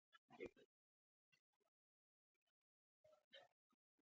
ظاهراً نه هغه سپي ته بسکټ وغورځاوه